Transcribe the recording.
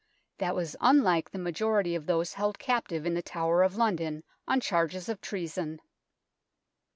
That was unlike the majority of those held captive in the Tower of London on charges of treason.